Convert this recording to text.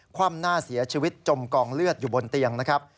คว่ำหน้าเสียชีวิตจมกองเลือดอยู่บนเตียงนะครับ